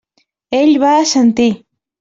Ell va assentir.